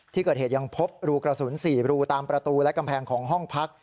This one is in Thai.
ที่เกิดเหตุยังพบรูกระสุน๔รูตามประตูและกำแพงของห้องพัก